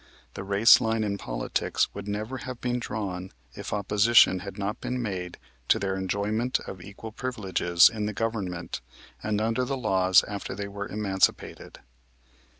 The race line in politics would never have been drawn if opposition had not been made to their enjoyment of equal privileges in the government and under the laws after they were emancipated."